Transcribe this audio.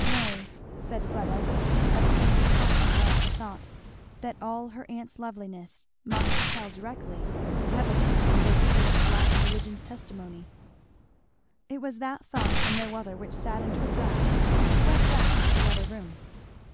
"No," said Fleda, a pang crossing her at the thought that all her aunt's loveliness must tell directly and heavily in this case to lighten religion's testimony. It was that thought and no other which saddened her brow as she went back into the other room.